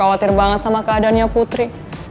aku gak khawatir banget sama keadaannya putri